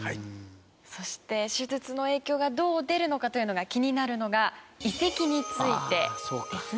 そして手術の影響がどう出るのかというのが気になるのが移籍についてですね。